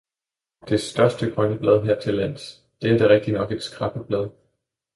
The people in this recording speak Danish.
Det største grønne Blad her til Lands, det er da rigtignok et Skræppeblad.